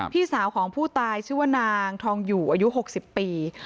พี่สาวของผู้ตายชื่อว่านางทองอยู่อายุ๖๐ปี